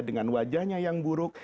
dengan wajahnya yang buruk